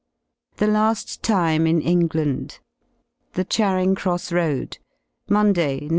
THE LAST TIME IN ENGLAND The Charing Cross Road Monday y Nov.